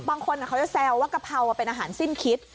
บางคนเขาจะแซวว่ากะเพราเป็นอาหารสิ้นคิด